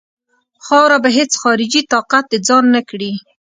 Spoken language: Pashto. خاوره به هیڅ خارجي طاقت د ځان نه کړي.